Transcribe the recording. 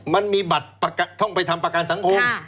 มันมีบัตรต้องไปทำประกันสังคม